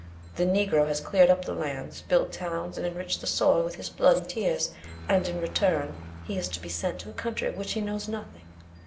The Negro has cleared up the lands, built towns, and enriched the soil with his blood and tears; and in return, he is to be sent to a country of which he knows nothing.